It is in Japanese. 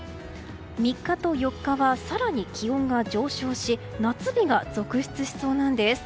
３日と４日は更に気温が上昇し夏日が続出しそうなんです。